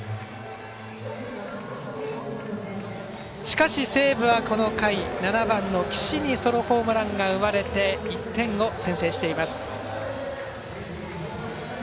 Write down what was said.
しかし、西武はこの回７番の岸にソロホームランが生まれて１点を先制しています。